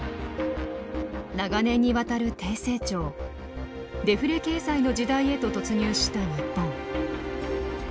長年にわたる低成長デフレ経済の時代へと突入した日本。